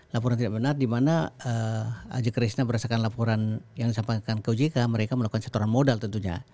laporan tidak benar di mana ajak krisna berdasarkan laporan yang disampaikan ke ojk mereka melakukan setoran modal tentunya